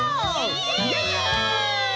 イエイ！